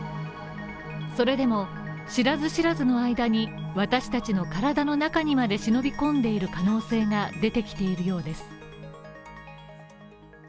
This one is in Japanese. それでも、知らず知らずの間に、私達の体の中にまで忍び込んでいる可能性が出てきているようです。